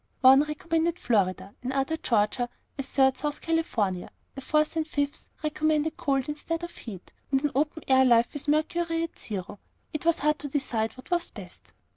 One recommended Florida, another Georgia, a third South Carolina; a fourth and fifth recommended cold instead of heat, and an open air life with the mercury at zero. It was hard to decide what was best.